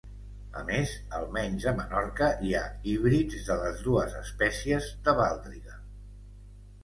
A més almenys a Menorca hi ha híbrids de les dues espècies de baldriga.